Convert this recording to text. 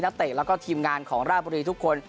เตะแล้วก็ทีมงานของราบุรีทุกคน